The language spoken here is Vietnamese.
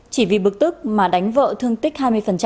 chỉ vì bực tức mà đánh vợ thương tích hai mươi